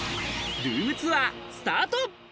ルームツアースタート。